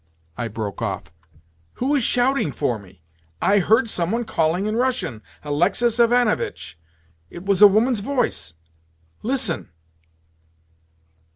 I broke off. "Who is shouting for me? I heard some one calling in Russian, 'Alexis Ivanovitch!' It was a woman's voice. Listen!"